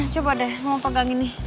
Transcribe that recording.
coba deh mau pegang ini